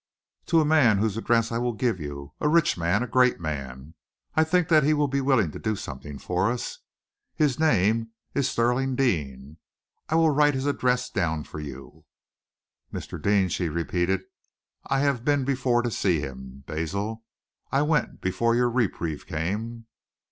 "To a man whose address I will give you, a rich man, a great man. I think that he will be willing to do something for us. His name is Stirling Deane. I will write his address down for you." "Mr. Deane!" she repeated. "I have been before to see him, Basil. I went before your reprieve came."